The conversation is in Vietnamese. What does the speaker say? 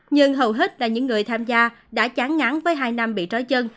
nhưng hầu hết là những người tham gia đã chán ngắn với hai năm bị trái chân